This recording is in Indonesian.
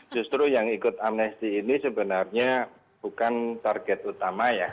justru yang ikut amnesti ini sebenarnya bukan target utama ya